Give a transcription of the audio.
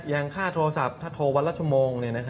ค่าโทรศัพท์ถ้าโทรวันละชั่วโมง